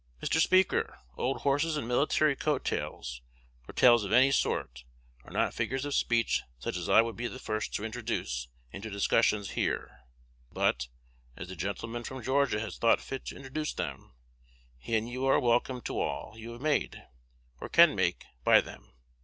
"Mr. Speaker, old horses and military coat tails, or tails of any sort, are not figures of speech such as I would be the first to introduce into discussions here; but, as the gentleman from Georgia has thought fit to introduce them, he and you are welcome to all you have made, or can make, by them.